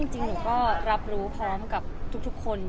จริงหนูก็รับรู้พร้อมกับทุกคน